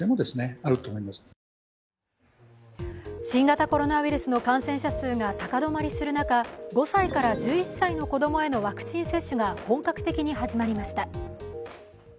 新型コロナウイルスの感染者数が高止まりする中５歳から１１歳の子供へのワクチン接種が本格的に始まりました。